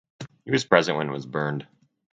He was present when it was burned.